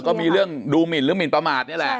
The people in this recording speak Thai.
ก็มีเรื่องดูหมินหรือหมินประมาทนี่แหละ